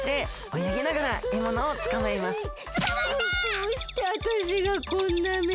どうしてあたしがこんなめに。